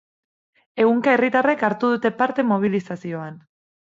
Ehunka herritarrek hartu dute parte mobilizazioan.